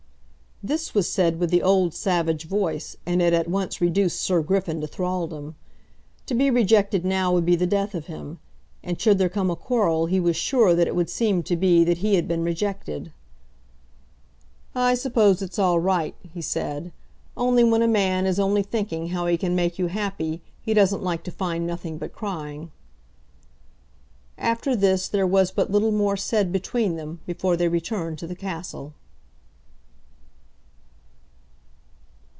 This was said with the old savage voice, and it at once reduced Sir Griffin to thraldom. To be rejected now would be the death of him. And should there come a quarrel he was sure that it would seem to be that he had been rejected. "I suppose it's all right," he said; "only when a man is only thinking how he can make you happy, he doesn't like to find nothing but crying." After this there was but little more said between them before they returned to the castle.